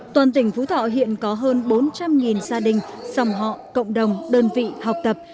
toàn tỉnh phú thọ hiện có hơn bốn trăm linh gia đình dòng họ cộng đồng đơn vị học tập